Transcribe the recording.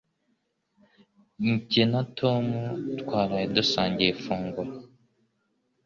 Jye na Tom twaraye dusangiye ifunguro.